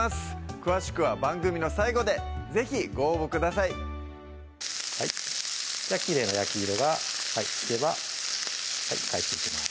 詳しくは番組の最後で是非ご応募くださいじゃあきれいな焼き色がつけば返していきます